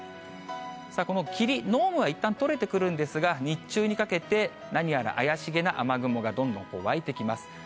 この霧、濃霧はいったんとれてくるんですが、日中にかけて、何やら怪しげな雨雲がどんどん湧いてきます。